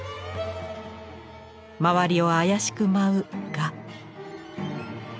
周りを妖しく舞う蛾。